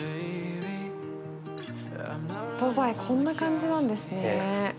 ドバイこんな感じなんですね。